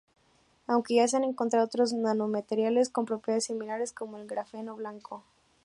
Aunque ya se han encontrado otros nanomateriales con propiedades similares como el grafeno blanco.